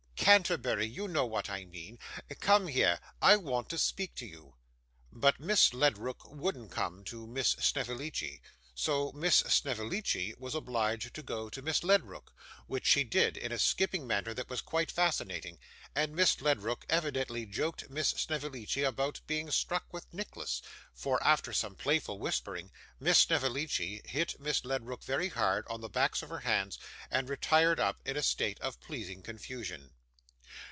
'Canterbury you know what I mean. Come here! I want to speak to you.' But Miss Ledrook wouldn't come to Miss Snevellicci, so Miss Snevellicci was obliged to go to Miss Ledrook, which she did, in a skipping manner that was quite fascinating; and Miss Ledrook evidently joked Miss Snevellicci about being struck with Nicholas; for, after some playful whispering, Miss Snevellicci hit Miss Ledrook very hard on the backs of her hands, and retired up, in a state of pleasing confusion.